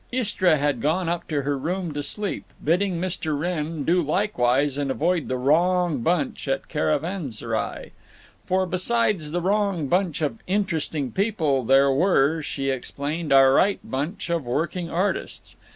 Istra had gone up to her room to sleep, bidding Mr. Wrenn do likewise and avoid the wrong bunch at the Caravanserai; for besides the wrong bunch of Interesting People there were, she explained, a right bunch, of working artists.